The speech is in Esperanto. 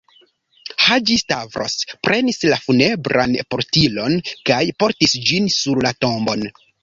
Haĝi-Stavros prenis la funebran portilon kaj portis ĝin sur la tombon.